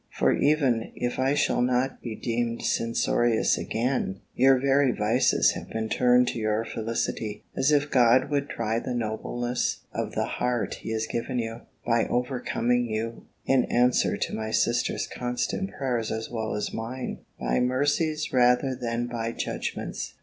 For even (if I shall not be deemed censorious again) your very vices have been turned to your felicity, as if God would try the nobleness of the heart he has given you, by overcoming you (in answer to my sister's constant prayers, as well as mine) by mercies rather than by judgments.